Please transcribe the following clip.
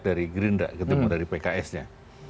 dari gerindra ketemu dari pks nya